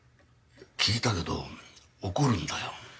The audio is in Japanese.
聞いたけど怒るんだよ。